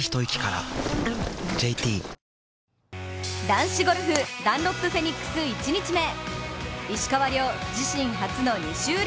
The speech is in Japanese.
男子ゴルフダンロップフェニックス１日目。